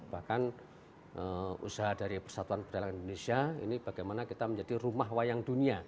bahkan usaha dari persatuan perdagangan indonesia ini bagaimana kita menjadi rumah wayang dunia